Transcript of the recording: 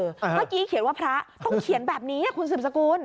เมื่อกี้เขียนว่าพระต้องเขียนแบบนี้คุณสืบสกุล